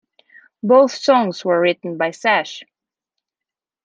Both songs were written by Sash!